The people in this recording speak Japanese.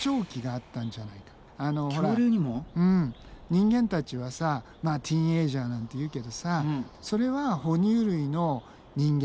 人間たちはさまあティーンエージャーなんて言うけどさそれは哺乳類の人間